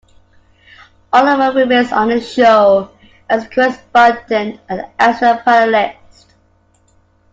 Oliver remains on the show as a correspondent and as a panelist.